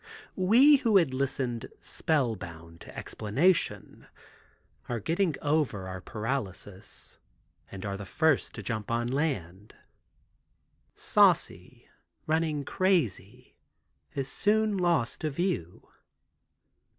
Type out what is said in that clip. We who have listened spellbound to explanation are getting over our paralysis, and are the first to jump on land. Saucy running crazy is soon lost to view.